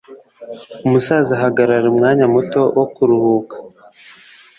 umusaza ahagarara umwanya muto wo kuruhuka